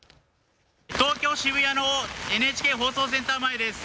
東京渋谷のＮＨＫ放送センター前です。